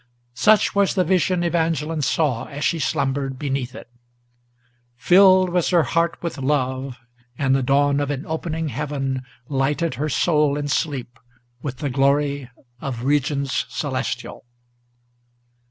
Such was the vision Evangeline saw as she slumbered beneath it. Filled was her heart with love, and the dawn of an opening heaven Lighted her soul in sleep with the glory of regions celestial.